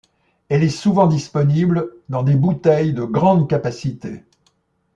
Elle est souvent disponible dans des bouteilles de grande capacité.